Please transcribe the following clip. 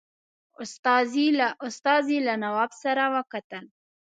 استازي له نواب سره وکتل.